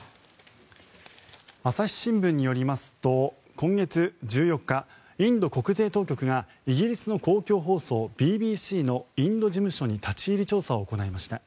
朝日新聞によりますと今月１４日インド国税当局がイギリスの公共放送ＢＢＣのインド事務所に立ち入り調査を行いました。